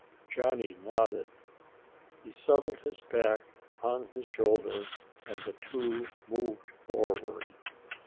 Johnny nodded. He settled his pack on his shoulder and the two moved forward.